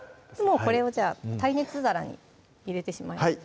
これをじゃあ耐熱皿に入れてしまいます